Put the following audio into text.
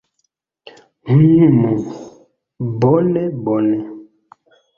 "Hm, bone bone."